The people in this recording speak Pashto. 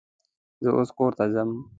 زه اوس کور ته ځم